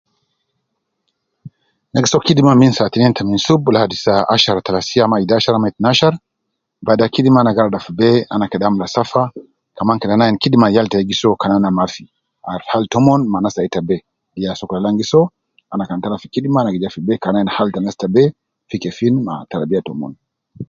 Ana gi soo kidima min saa tinin ta minsub ladi saa ashara ta lasiya ama idashar, ama itnashar, bada kidima ana gi arija fi be, ana kede amula safa, kaman kede ana ain kidima al yal tai gi soo kan ana mafi, al hal tomon ma anas tai te be, de ya sokol al ana gi soo, ana kan tala fi kidima ana gi ja fi be kede ana ain hal ta anas te be, fi kefin maa tarabiya tomon